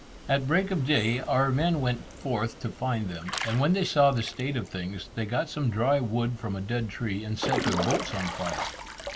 At break of day, our men went forth to find them, and when they saw the state of things, they got some dry wood from a dead tree, and set their boats on fire.